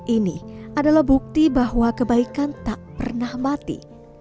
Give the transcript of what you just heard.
ini adalah bukti bahwa kebaikan tak pernah mati